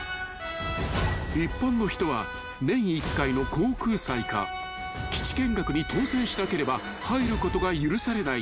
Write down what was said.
［一般の人は年一回の航空祭か基地見学に当選しなければ入ることが許されない］